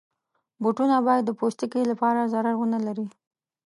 بوټونه باید د پوستکي لپاره ضرر ونه لري.